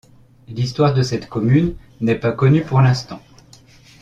L'histoire de cette commune n'est pas connue pour l'instant.